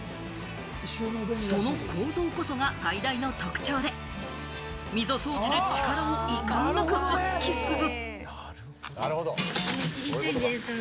その構造こそが最大の特徴で、溝掃除で力をいかんなく発揮する。